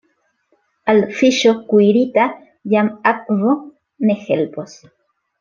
Al fiŝo kuirita jam akvo ne helpos.